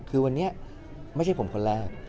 คือวันนี้ไม่ใช่ผมคนแรก